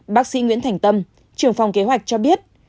bác sĩ nguyễn thành tâm trưởng phòng kế hoạch cho biết